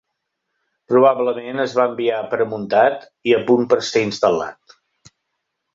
Probablement es va enviar premuntat i a punt per ser instal·lat.